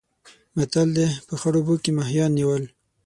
متل دی: په خړو اوبو کې ماهیان نیول.